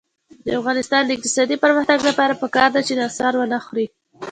د افغانستان د اقتصادي پرمختګ لپاره پکار ده چې نصوار ونه خورئ.